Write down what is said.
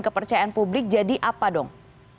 kepercayaan publik jadi apa dong